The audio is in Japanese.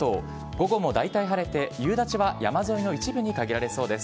午後も大体晴れて、夕立は山沿いの一部に限られそうです。